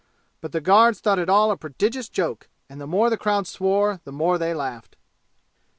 But the guards thought it all a prodigious joke and the more the crowd swore the more they laughed.